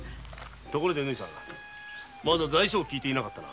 まだ在所を聞いていなかったな。